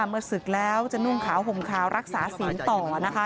เมื่อศึกแล้วจะนุ่งขาวห่มขาวรักษาศีลต่อนะคะ